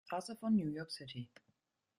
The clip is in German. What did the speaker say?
Straße von New York City.